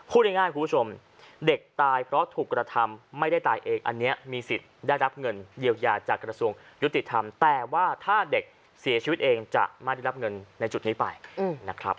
พูดง่ายคุณผู้ชมเด็กตายเพราะถูกกระทำไม่ได้ตายเองอันนี้มีสิทธิ์ได้รับเงินเยียวยาจากกระทรวงยุติธรรมแต่ว่าถ้าเด็กเสียชีวิตเองจะไม่ได้รับเงินในจุดนี้ไปนะครับ